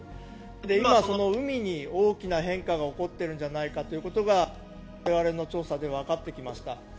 今、その海に大きな変化が起こっているんじゃないかということが我々の調査でわかってきました。